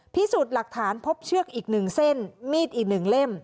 พิสูจน์หลักฐานพบเชือกอีก๑เส้นมีดอีก๑เล่ม